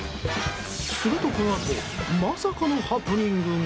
すると、このあとまさかのハプニングが。